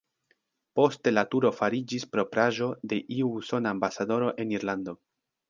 Poste la turo fariĝis propraĵo de iu usona ambasadoro en Irlando.